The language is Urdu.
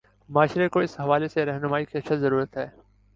معاشرے کو اس حوالے سے راہنمائی کی اشد ضرورت ہے۔